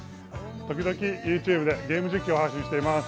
時々ＹｏｕＴｕｂｅでゲーム実況を配信しています。